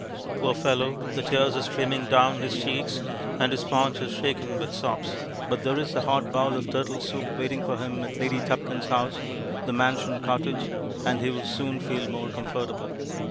Poor fellow, the tears are streaming down his cheeks, and his paunch is shaken with sobs, but there is a hot bowl of turtle soup waiting for him at Lady Tupkins' house, The Mansion Cottage, and he will soon feel more comfortable.